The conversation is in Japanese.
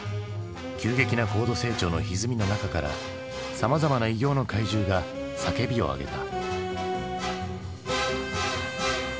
急激な高度成長のひずみの中からさまざまな異形の怪獣が叫びを上げた。